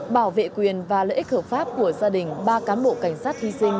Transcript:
bảo vệ quyền và lợi ích hợp pháp của gia đình ba cán bộ cảnh sát hy sinh